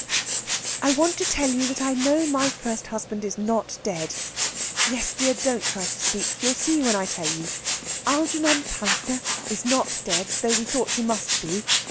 I want to tell you that I know that my first husband is not dead.... Yes, dear; don't try to speak. You'll see when I tell you.... Algernon Palliser is not dead, though we thought he must be.